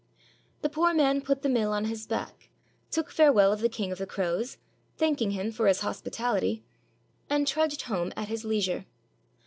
The poor man put the mill on his back, took farewell of the King of the Crows, thanking him for his hospitahty, and trudged home at his leisure.